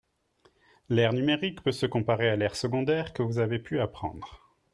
L'aire numérique peut se comparer à l'aire secondaire que vous avez pu apprendre